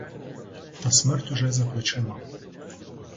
Та смерть уже за плечима.